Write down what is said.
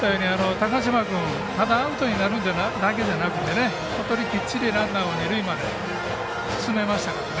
高嶋君ただアウトになるだけでなくきっちりランナーを二塁まで進めましたのでね。